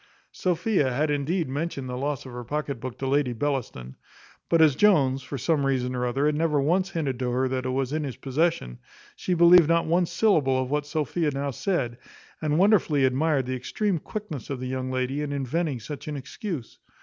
Sophia had indeed mentioned the loss of her pocket book to Lady Bellaston; but as Jones, for some reason or other, had never once hinted to her that it was in his possession, she believed not one syllable of what Sophia now said, and wonderfully admired the extreme quickness of the young lady in inventing such an excuse.